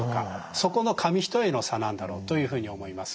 そこの紙一重の差なんだろうというふうに思います。